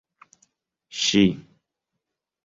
ŝi